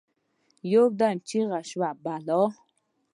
يودم چیغه شوه: «بلا!»